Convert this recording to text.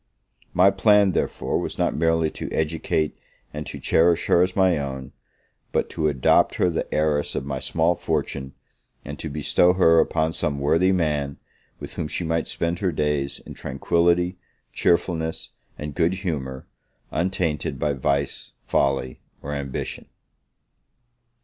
My plan, therefore, was not merely to educate and to cherish her as my own, but to adopt her the heiress of my small fortune, and to bestow her upon some worthy man, with whom she might spend her days in tranquility, cheerfulness, and good humour, untainted by vice, folly, or ambition.